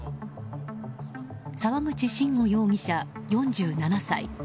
沢口慎吾容疑者、４７歳。